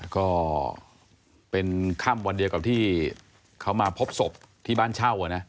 ก็เป็นค่ำวันเดียวกับที่เขามาพบศพที่บ้านเช่า